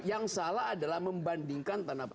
yang salah adalah membandingkan tanah